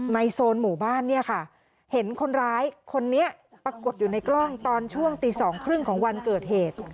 โซนหมู่บ้านเนี่ยค่ะเห็นคนร้ายคนนี้ปรากฏอยู่ในกล้องตอนช่วงตี๒๓๐ของวันเกิดเหตุ